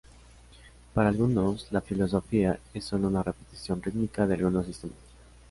Para algunos, la filosofía es solo una repetición rítmica de algunos sistemas.